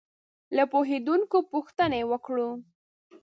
له پوهېدونکو پوښتنې وکړو.